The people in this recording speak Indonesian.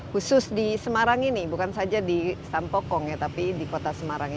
khusus di semarang ini bukan saja di sampokong ya tapi di kota semarang